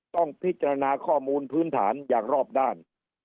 ต้องพิจารณาข้อมูลพื้นฐานอย่างรอบด้าน